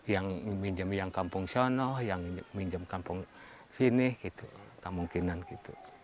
yang minjem yang kampung sana yang minjem kampung sini gitu kemungkinan gitu